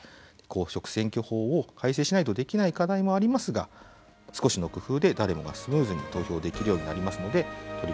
公職選挙法を改正しないとできない課題もありますが少しの工夫で誰もがスムーズに投票できるようになりますので取り組みをしてほしいと思います。